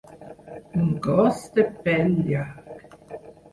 Un gos de pèl llarg.